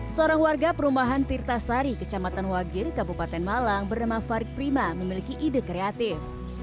seorang warga perumahan tirtasari kecamatan wagir kabupaten malang bernama farid prima memiliki ide kreatif